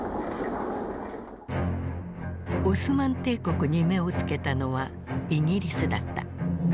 オスマン帝国に目を付けたのはイギリスだった。